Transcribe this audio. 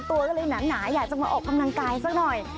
ตัวก็เลยหนาอยากจะมาออกกำลังกายสักหน่อย